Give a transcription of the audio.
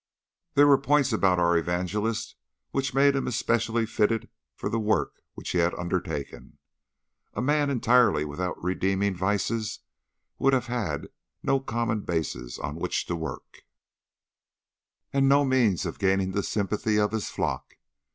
There were points about our evangelist which made him especially fitted for the work which he had undertaken. A man entirely without redeeming vices would have had no common basis on which to work, and no means of gaining the sympathy of his flock.